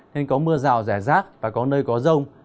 nên có mưa rào rẻ rác và có nơi có rông